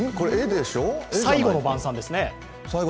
最後の晩餐ですね。